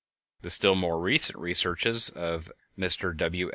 The still more recent researches of Mr W.